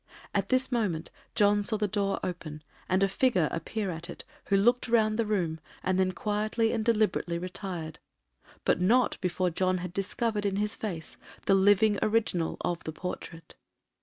At this moment John saw the door open, and a figure appear at it, who looked round the room, and then quietly and deliberately retired, but not before John had discovered in his face the living original of the portrait.